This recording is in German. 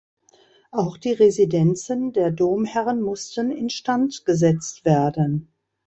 Auch die Residenzen der Domherren mussten instand gesetzt werden.